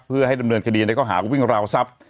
เพื่อให้ดำเนินคดีในเกาะหากุฟิ่งราวซับ